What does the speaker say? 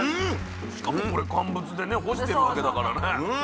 しかもこれ乾物でね干してるだけだからね。